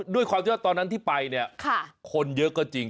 ด้วยความที่ว่าตอนนั้นที่ไปเนี่ยคนเยอะก็จริง